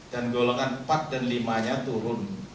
dan golongan empat dan lima nya turun